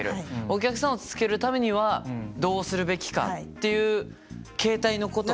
お客さんをつけるためにはどうするべきかっていう形態のことですよね？